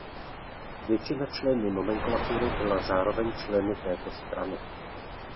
Většina členů nomenklatury byla zároveň členy této strany.